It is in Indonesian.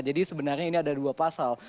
jadi sebenarnya ini ada dua pasal